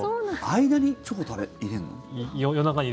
間にチョコ入れんの？